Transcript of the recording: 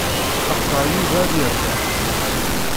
Tḥeqqeɣ Yuba ad yerbeḥ.